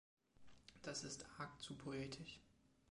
Das ist arg zu poetisch.